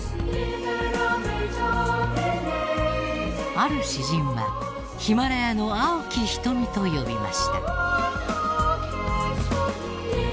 ある詩人はヒマラヤの青き瞳と呼びました。